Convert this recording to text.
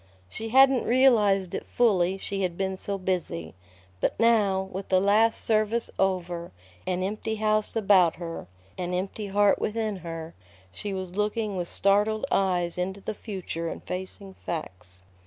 She hadn't realized it fully, she had been so busy. But now, with the last service over, an empty house about her, an empty heart within her, she was looking with startled eyes into the future and facing facts.